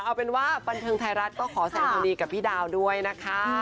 เอาเป็นว่าบันเทิงไทยรัฐก็ขอแสงความดีกับพี่ดาวด้วยนะคะ